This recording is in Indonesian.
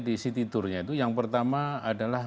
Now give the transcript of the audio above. di city tournya itu yang pertama adalah